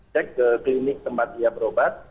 cek ke klinik tempat dia berobat